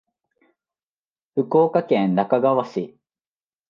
福岡県那珂川市